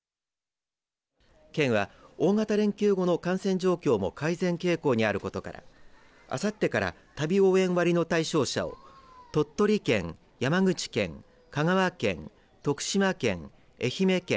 県は、大型連休後の感染状況も改善傾向にあることからあさってから旅応援割の対象者を鳥取県、山口県香川県、徳島県愛媛県